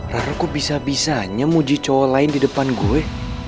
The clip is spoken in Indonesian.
rara kok bisa bisanya muji cowok lain di depan gue